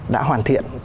đã hoàn thiện